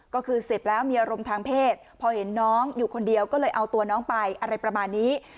ก็คือเสพแล้วมีอารมณ์ทางเพศพอเห็นน้องอยู่คนเดียวก็เลยเอาตัวน้องไปอะไรประมาณนี้